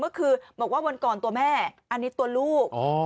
เมื่อกว่าบนกรณ์ตัวแม่อันนี้ตัวลูก